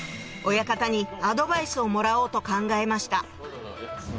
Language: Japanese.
親方にアドバイスをもらおうと考えました